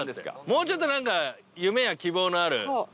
もうちょっとなんか夢や希望のある。